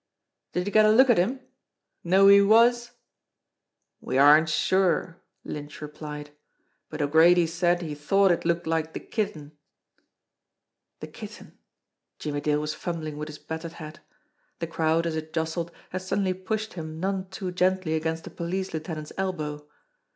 "Did you get a look at him ? Know who he was ?" "We aren't sure," Lynch replied. "But O'Grady said he thought it looked like the Kitten." The Kitten ! Jimmie Dale was fumbling with his battered hat. The crowd, as it jostled, had suddenly pushed him none too gently against the police lieutenant's elbow.